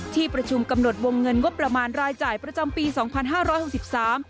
ที่ประชุมกำหนดวงเงินงบประมาณรายจ่ายประจำปีสองพันห้าร้อยหกสิบสาม